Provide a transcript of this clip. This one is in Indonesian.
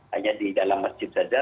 hanya di dalam masjid saja